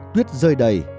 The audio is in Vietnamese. tuyết rơi đầy